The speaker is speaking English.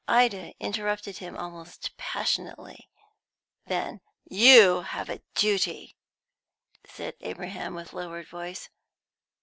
Ida interrupted him almost passionately. "Then you have a duty," said Abraham, with lowered voice.